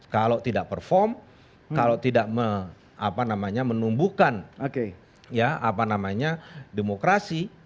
kalau tidak perform kalau tidak menumbuhkan demokrasi